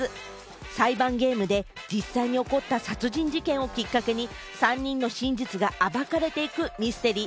裁判ゲームで実際に起こった殺人事件をきっかけに３人の真実が暴かれていくミステリー。